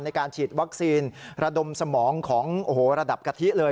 ในการฉีดวัคซีนระดมสมองของระดับกะทิเลย